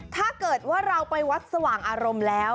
ถ้าเกิดว่าเราไปวัดสว่างอารมณ์แล้ว